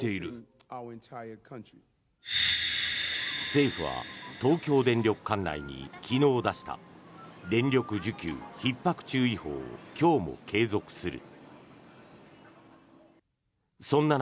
政府は東京電力管内に昨日出した電力需給ひっ迫注意報を今日も継続する。